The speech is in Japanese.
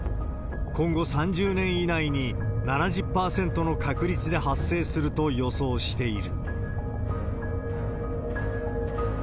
今後３０年以内に７０％の確率で発生すると予想している。